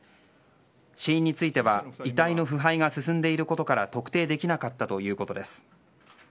死因については遺体の腐敗が進んでいることから特定できなかったということです。